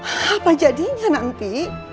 apa jadinya nanti